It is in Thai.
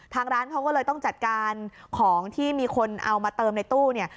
ทางร้านเขาก็เลยต้องจัดการของที่มีคนเอามาเติมในตู้เนี่ย